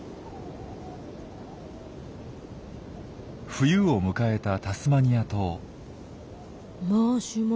冬を迎えたタスマニア島。